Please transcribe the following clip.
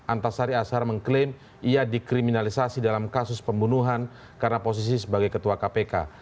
antasari ashar mengklaim ia dikriminalisasi dalam kasus pembunuhan karena posisi sebagai ketua kpk